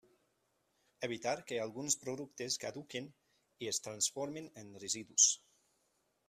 Evitar que alguns productes caduquin i es transformin en residus.